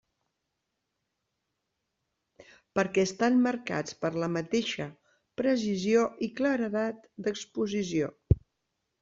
Perquè estan marcats per la mateixa precisió i claredat d'exposició.